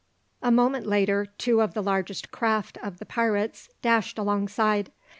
A moment later two of the largest craft of the pirates dashed alongside.